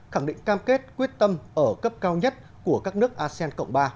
khẳng định cam kết quyết tâm ở cấp cao nhất của các nước asean cộng ba